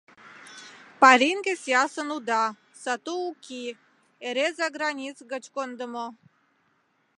Паринге сиасын уда сату уки, эре загранис гыч кондымо...